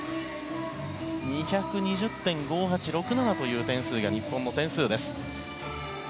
２２０．５８６７という点数が日本の点数です。